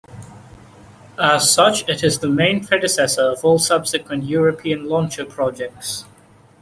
As such it is the main predecessor of all subsequent European launcher projects.